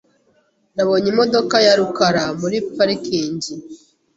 Nabonye imodoka ya rukara muri parikingi .